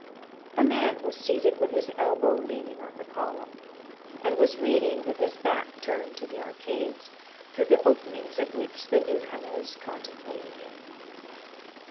A man was seated with his elbow leaning on the column, and was reading with his back turned to the arcades, through the openings of which the new comers contemplated him.